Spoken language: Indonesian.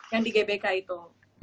yang di gbk itu